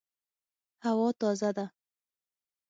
هوا تازه ده